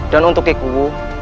dan untuk kekuwu